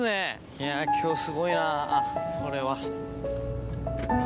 いや今日すごいなこれは。